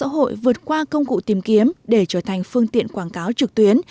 mạng xã hội vượt qua công cụ tìm kiếm để trở thành phương tiện quảng cáo trực tuyến